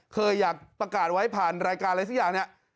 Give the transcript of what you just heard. เคยอยากประกาศไว้ผ่านรายการอะไรสักอย่างเนี่ย